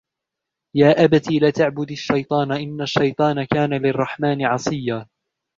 يا أبت لا تعبد الشيطان إن الشيطان كان للرحمن عصيا